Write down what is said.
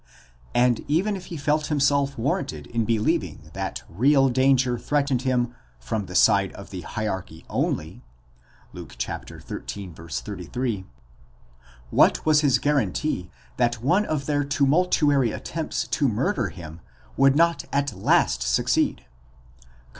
And even if he felt himself warranted in believing that real danger threatened him from the side of the hierarchy only (Luke xiii. 33); what was his guarantee that one of their tumultuary attempts to murder him would not at last succeed (comp.